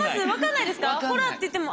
「ほら」って言っても。